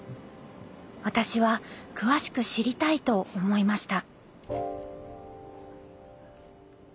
私は詳しく知りたいと思いました。